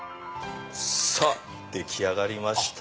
さぁ出来上がりました。